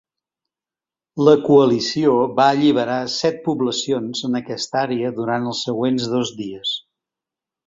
La coalició va alliberar set poblacions en aquesta àrea durant els següents dos dies.